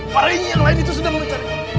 parahnya yang lain itu sudah mencari